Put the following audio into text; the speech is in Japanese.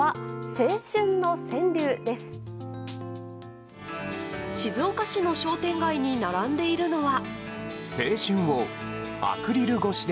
静岡市の商店街に並んでいるのは。